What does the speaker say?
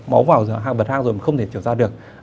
máu vào rồi bật hạ rồi mà không thể trở ra được